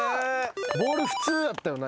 ボール普通やったよな。